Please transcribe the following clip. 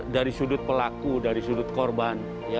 dari sudut pelaku dari sudut korban